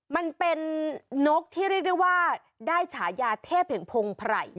มันเป็นนกที่เรียกได้ว่าได้ฉายาเทพแห่งพงไพร